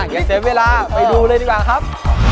อย่าเสียเวลาไปดูเลยดีกว่าครับ